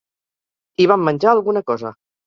I vam menjar alguna cosa.